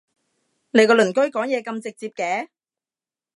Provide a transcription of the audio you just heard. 你個鄰居講嘢咁直接嘅？